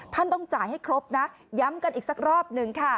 ต้องจ่ายให้ครบนะย้ำกันอีกสักรอบหนึ่งค่ะ